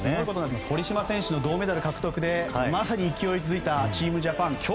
堀島選手の銅メダル獲得でまさに勢いづいたチームジャパン